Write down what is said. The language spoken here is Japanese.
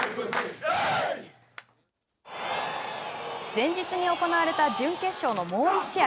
前日に行われた準決勝のもう１試合。